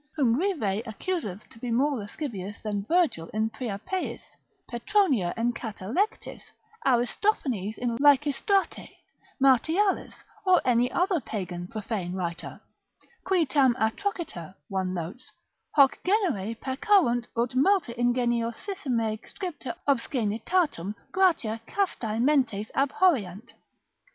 whom Rivet accuseth to be more lascivious than Virgil in Priapeiis, Petronius in Catalectis, Aristophanes in Lycistratae, Martialis, or any other pagan profane writer, qui tam atrociter (one notes) hoc genere peccarunt ut multa ingeniosissime scripta obscaenitatum gratia castae mentes abhorreant.